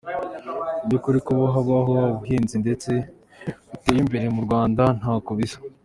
Mu by’ukuri kuba habaho ubuhinzi buteye imbere mu Rwanda ntako bisa.